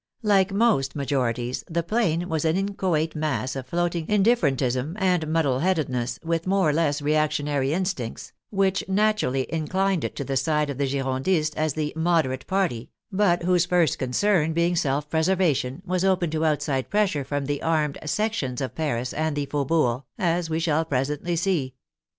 Like most majorities, the Plain was an inchoate mass of floating indifferentism and muddle headedness, with more or less reactionary instincts, which naturally in clined it to the side of the Girondists as the " moderate " party, but whose first concern being self preservation, was open to outside pressure from the armed " sections " of Paris and the faubourgs, as we shall presently see.